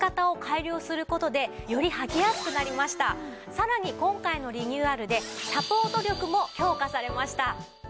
さらに今回のリニューアルでサポート力も強化されました。